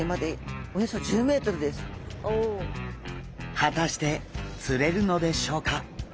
果たして釣れるのでしょうか。